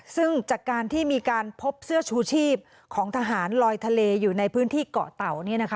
ซึ่งจากการที่มีการพบเสื้อชูชีพของทหารลอยทะเลอยู่ในพื้นที่เกาะเต่า